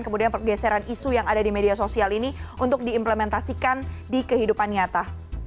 kemudian pergeseran isu yang ada di media sosial ini untuk diimplementasikan di kehidupan nyata